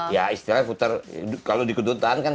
ya istilahnya puter kalau dikudutan kan kita punya